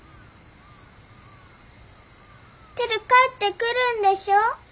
テル帰ってくるんでしょ？